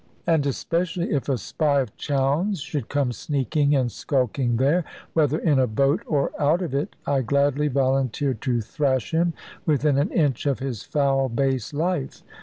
And especially if a spy of Chowne's should come sneaking and skulking there, whether in a boat or out of it, I gladly volunteered to thrash him within an inch of his foul base life.